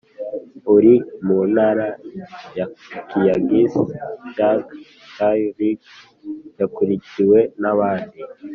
uri mu ntara ya kiangsi. chang tao-ling yakurikiwe n’abandi